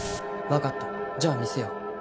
分かったじゃあ見せよう